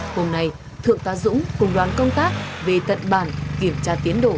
hôm nay thượng tà dũng cùng đoán công tác về tận bản kiểm tra tiến độ